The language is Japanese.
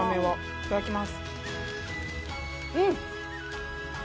いただきます。